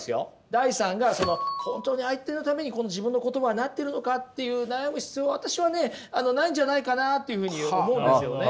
ダイさんが本当に相手のために自分の言葉はなってるのかっていう悩む必要は私はねないんじゃないかなあというふうに思うんですよね。